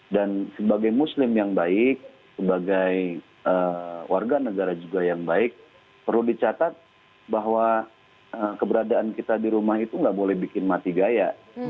dan sebagai muslim yang baik sebagai warga negara juga yang baik perlu dicatat bahwa keberadaan kita di rumah itu gak boleh bikin mati gaya